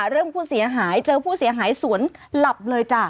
เรื่องผู้เสียหายเจอผู้เสียหายสวนหลับเลยจ้ะ